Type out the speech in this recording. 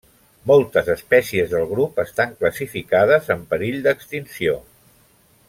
Moltes espècies del grup estan classificades en perill d'extinció.